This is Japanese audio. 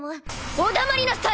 お黙りなさい！